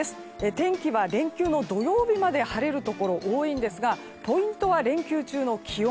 天気は連休の土曜日まで晴れるところが多いんですがポイントは連休中の気温。